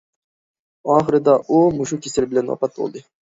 ئاخىرىدا ئۇ مۇشۇ كېسەل بىلەن ۋاپات بولدى.